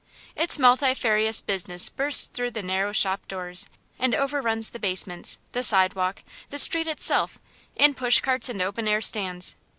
Its multifarious business bursts through the narrow shop doors, and overruns the basements, the sidewalk, the street itself, in pushcarts and open air stands.